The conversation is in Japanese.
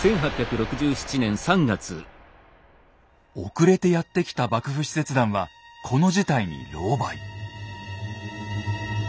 遅れてやって来た幕府使節団はこの事態に狼狽。